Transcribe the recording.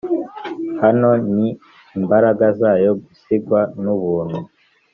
hano n'imbaraga zayo, gusigwa n'ubuntu